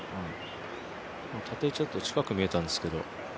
ちょっと近く見えたんですけど。